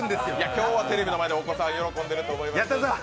今日はテレビの前でお子さん、喜んでいると思います。